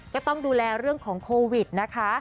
ก็ต้องดูแลเรื่องของโควิดนะคะ